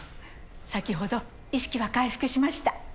先ほど意識は回復しました。